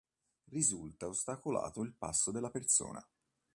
Risulta ostacolato il passo della persona.